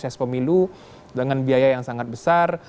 proses pemilu dengan biaya yang sangat besar